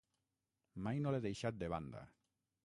Mai no l'he deixat de banda.